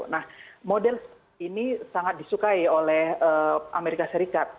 nah model ini sangat disukai oleh amerika serikat